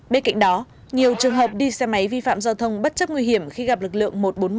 bên cạnh đó nhiều trường hợp đi xe máy vi phạm giao thông bất chấp nguy hiểm khi gặp lực lượng một trăm bốn mươi một